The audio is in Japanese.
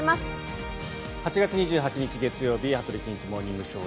８月２８日、月曜日「羽鳥慎一モーニングショー」。